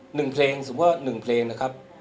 หนึ่งเพลงสมมุติว่าหนึ่งเพลงนะครับ